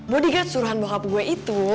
bodigat suruhan bokap gue itu